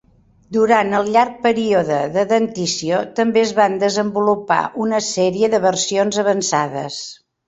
Durant el llarg període de dentició també es van desenvolupar una sèrie de versions avançades.